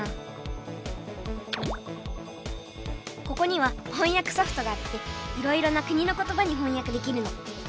ここにはほんやくソフトがあっていろいろな国の言葉にほんやくできるの。